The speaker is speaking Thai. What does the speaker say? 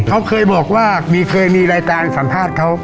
เขาเคยบอกว่าเคยมีรายการสัมภาษณ์เขา